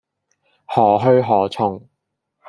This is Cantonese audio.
何去何從